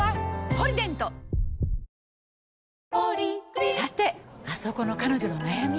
「ポリデント」「ポリグリップ」さてあそこの彼女の悩み。